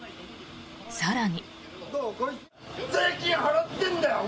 更に。